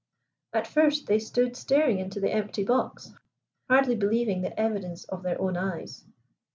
"At first they stood staring into the empty box, hardly believing the evidence of their own eyes.